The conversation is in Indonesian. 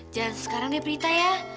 jangan sekarang deh prita ya